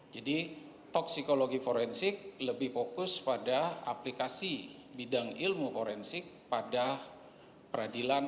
jadi toksikologi forensik lebih fokus pada aplikasi bidang ilmu forensik pada peradilan